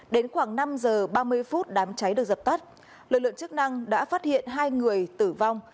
đến khoảng năm giờ ba mươi phút đám cháy được dập tắt lực lượng chức năng đã phát hiện hai người tử vong